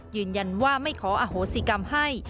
ยืนยันว่าไม่ขออโหสิกรรมให้